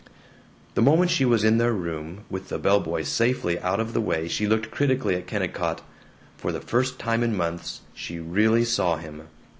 The moment she was in their room, with the bellboy safely out of the way, she looked critically at Kennicott. For the first time in months she really saw him.